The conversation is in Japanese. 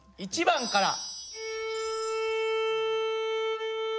１番から。